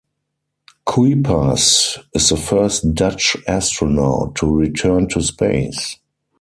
Kuipers is the first Dutch astronaut to return to space.